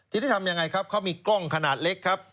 ทีนี้ทำยังไงครับเขามีกล้องขนาดเล็กครับ